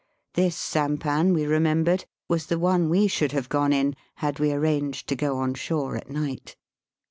This sampan, we remembered, was the one we should have gone in had we arranged to go on shore at night.